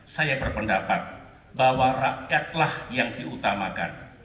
saya berpendapat bahwa rakyatlah yang diutamakan